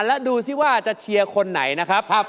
และดูสิว่าจะเชียร์คนไหนนะครับ